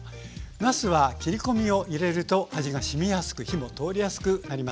なすは切り込みを入れると味がしみやすく火も通りやすくなります。